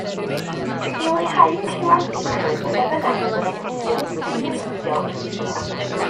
I leihau unrhyw ansicrwydd, penderfynais y byddai cwestiwn enghreifftiol yn fuddiol